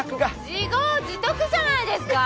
自業自得じゃないですか！